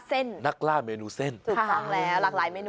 เส้นนักล่าเมนูเส้นสุดครั้งแล้วหลักหลายเนี้ย